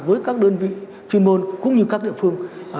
với các đơn vị chuyên môn cũng như các địa phương